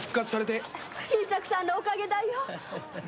新作さんのお陰だよ。